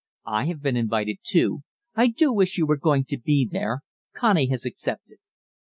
I have been invited too; I do wish you were going to be there. Connie has accepted."